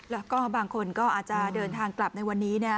แล้วก็บางคนก็อาจจะเดินทางกลับในวันนี้